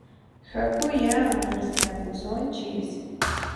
Hakuyá riqsinakusunchis!